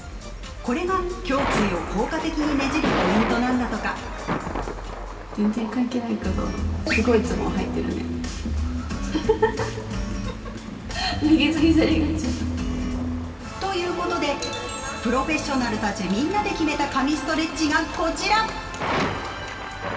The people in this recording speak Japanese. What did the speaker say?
これが胸椎を効果的にねじるポイントなんだとか。ということでプロフェッショナルたちみんなで決めた「神ストレッチ」がこちら！